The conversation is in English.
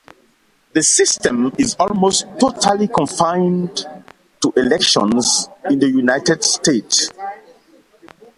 The system is almost totally confined to elections in the United States.